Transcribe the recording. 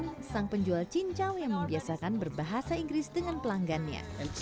dengan sang penjual cincau yang membiasakan berbahasa inggris dengan pelanggannya